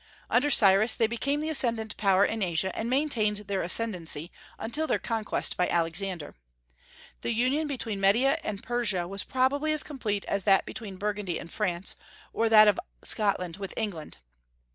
Under Cyrus they became the ascendent power in Asia, and maintained their ascendency until their conquest by Alexander. The union between Media and Persia was probably as complete as that between Burgundy and France, or that of Scotland with England.